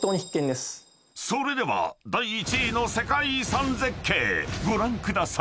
［それでは第１位の世界遺産絶景ご覧ください］